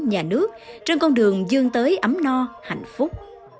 nhà nước trên con đường dương tới ấm no hạnh phúc